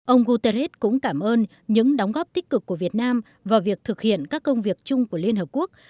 ông guterres cũng cảm ơn những đóng góp tích cực của việt nam vào việc thực hiện các công việc chung của liên hợp quốc